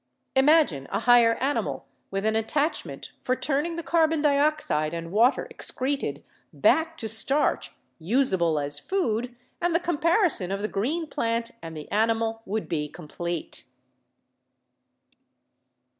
Imagine a higher ani mal with an attachment for turning the carbon dioxide and water excreted back to starch usable as food and the com parison of the green plant and the animal would be com plete.